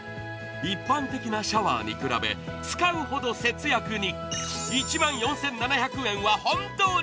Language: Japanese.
一般的なシャワーに比べ、使うほど節約に。